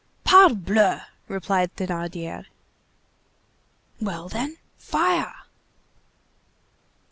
"Parbleu!" replied Thénardier. "Well, then, fire."